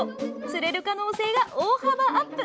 釣れる可能性が大幅アップ！